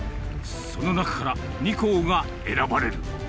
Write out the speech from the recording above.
その中から２校が選ばれる。